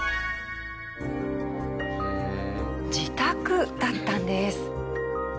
自宅だったんです。